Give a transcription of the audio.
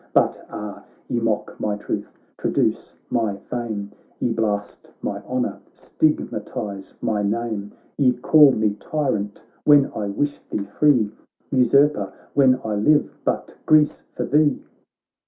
But ah ! ye mock my truth, traduce my fame, Ye blast my honour, stigmatize my name ! Ye call me tyrant v?hen I wish thee free. Usurper, when I live but, Greece, for thee